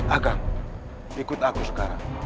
agang ikut aku sekarang